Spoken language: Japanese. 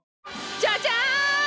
ジャジャン！